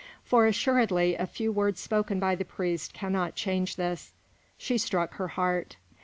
For assuredly a few words spoken by a priest can not change this." She struck her heart.